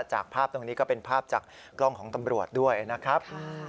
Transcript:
จากภาพตรงนี้ก็เป็นภาพจากกล้องของตำรวจด้วยนะครับ